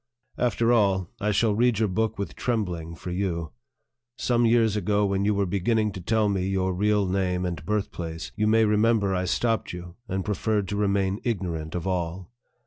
After all, I shall read your book with trembling for you. Some years ago, when you were beginning to tell me your real name and birthplace, you may remember I stopped you, and preferred to remain ignorant of all.